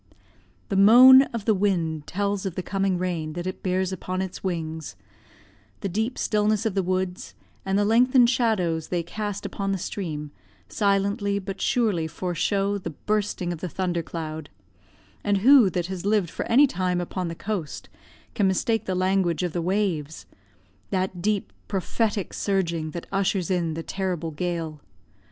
The moan of the wind tells of the coming rain that it bears upon its wings; the deep stillness of the woods, and the lengthened shadows they cast upon the stream, silently but surely foreshow the bursting of the thunder cloud; and who that has lived for any time upon the coast, can mistake the language of the waves; that deep prophetic surging that ushers in the terrible gale?